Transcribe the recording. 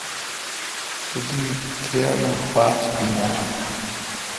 تو دی تریال ام پاچ این آں?